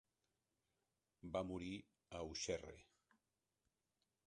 Va morir a Auxerre.